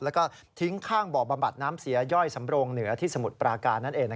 แล้วก็ทิ้งข้างบ่อบำบัดน้ำเสียย่อยสำโรงเหนือที่สมุทรปราการนั่นเอง